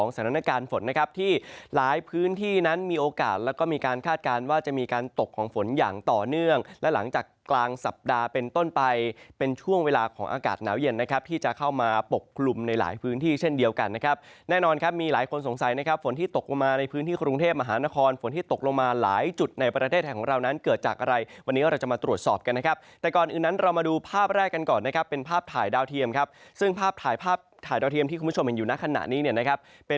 สถานการณ์ฝนนะครับที่หลายพื้นที่นั้นมีโอกาสแล้วก็มีการคาดการณ์ว่าจะมีการตกของฝนอย่างต่อเนื่องและหลังจากกลางสัปดาห์เป็นต้นไปเป็นช่วงเวลาของอากาศหนาวเย็นนะครับที่จะเข้ามาปกกลุ่มในหลายพื้นที่เช่นเดียวกันนะครับแน่นอนครับมีหลายคนสงสัยนะครับฝนที่ตกลงมาในพื้นที่กรุงเทพมหานครฟ